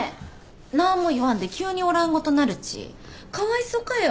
なあんも言わんで急におらんごとなるちかわいそかよ。